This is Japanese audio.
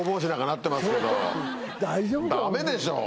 ダメでしょ。